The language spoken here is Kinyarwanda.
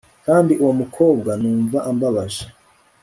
kandi uwo mukobwa numva ambabaje